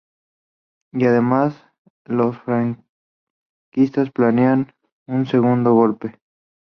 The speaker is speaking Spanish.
Y, además, los franquistas planean un segundo golpe.